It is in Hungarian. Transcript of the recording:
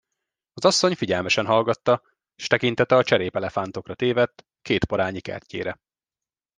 Az asszony figyelmesen hallgatta, s tekintete a cserép elefántokra tévedt, két parányi kertjére.